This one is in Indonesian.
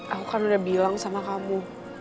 aku kan udah bilang sama kamu